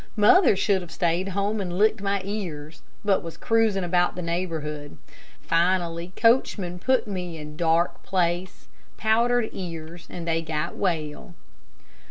Mother should have stayed home and licked my ears, but was cruising about neighborhood. Finally coachman put me in dark place, powdered ears, and they got well."